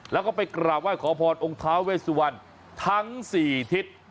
แล้วก็ไปกราบไหว้ขอพรองค์ท้าเวสวันทั้ง๔ทิศ